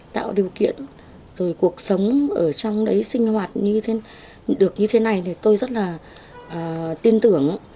tạo điều kiện rồi cuộc sống ở trong đấy sinh hoạt như thế được như thế này thì tôi rất là tin tưởng